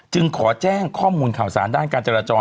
ขอแจ้งข้อมูลข่าวสารด้านการจราจร